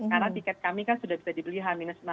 karena tiket kami kan sudah bisa dibeli h enam puluh